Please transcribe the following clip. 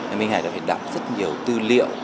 lê minh hải đã phải đọc rất nhiều tư liệu